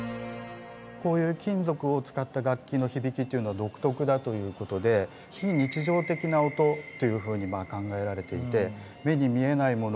こういう金属を使った楽器の響きっていうのは独特だということで非日常的な音っていうふうに考えられていて目に見えないもの